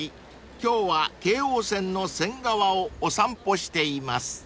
今日は京王線の仙川をお散歩しています］